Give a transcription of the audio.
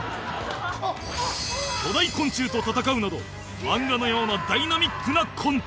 巨大昆虫と戦うなど漫画のようなダイナミックなコント